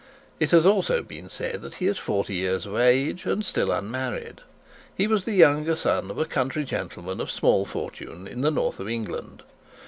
It has also been said that he is forty years of age, and still unmarried. He was the younger son of a country gentleman of small fortune in the north of England.